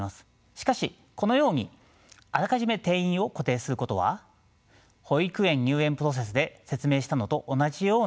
しかしこのようにあらかじめ定員を固定することは保育園入園プロセスで説明したのと同じような問題を起こします。